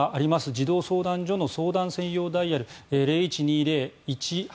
児童相談所の相談専用ダイヤルはこちらです。